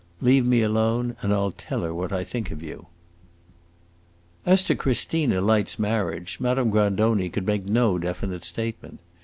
Leave me alone and I 'll tell her what I think of you." As to Christina Light's marriage, Madame Grandoni could make no definite statement.